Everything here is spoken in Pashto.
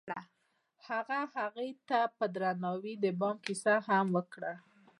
هغه هغې ته په درناوي د بام کیسه هم وکړه.